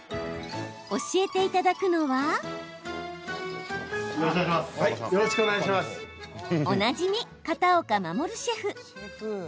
教えていただくのはおなじみ、片岡護シェフ。